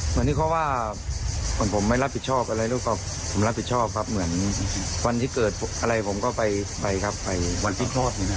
เหมือนที่เขาว่าเหมือนผมไม่รับผิดชอบอะไรลูกครับผมรับผิดชอบครับเหมือนวันที่เกิดอะไรผมก็ไปครับไปวันที่คลอดนี่นะ